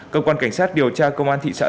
cơ quan cảnh sát điều tra công an thị xã